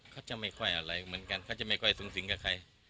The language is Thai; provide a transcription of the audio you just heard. เขาจะไม่ค่อยอะไรเหมือนกันเขาจะไม่ค่อยสูงสิงกับใคร